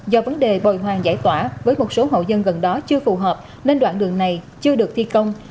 do vấn đề bồi hoàng giải tỏa với một số hộ dân gần đó chưa phù hợp nên đoạn đường này chưa được thi công